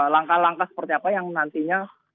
langkah langkah seperti apa yang nantinya